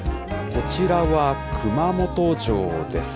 こちらは熊本城です。